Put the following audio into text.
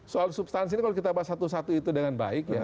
soal substansi ini kalau kita bahas satu satu itu dengan baik ya